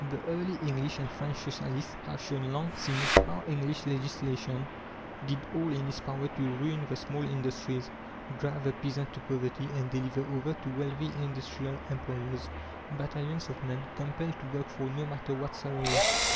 The early English and French Socialists have shown long since how English legislation did all in its power to ruin the small industries, drive the peasant to poverty, and deliver over to wealthy industrial employers battalions of men, compelled to work for no matter what salary.